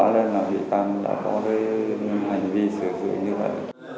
cho nên là bị can đã có hành vi sử dụng như vậy